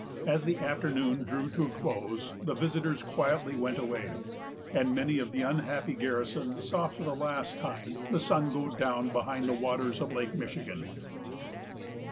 As the afternoon drew to a close, the visitors quietly went away; and many of the unhappy garrison saw for the last time the sun go down behind the waters of Lake Michigan.